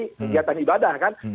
kegiatan ibadah kan